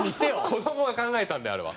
子供が考えたんであれは。